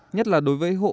nhất là đối với hộ